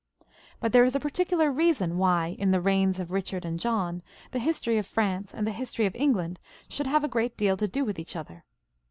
But there is a particular reason why, in the reigns of Eichard and John the history of France and the history of England should have a great deal to do with each other.